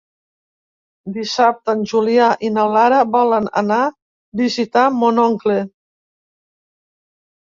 Dissabte en Julià i na Lara volen anar a visitar mon oncle.